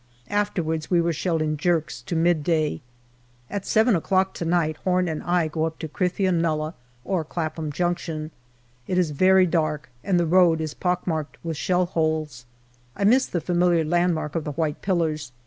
Afterwards W were shelled in jerks to midday. At seven o'clock to night Home and I go up to Krithia Nullah or Clapham Junction. It is very dark, and the road is pockmarked with shell holes. I miss the familiar landmark of the white pillars.